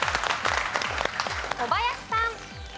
小林さん。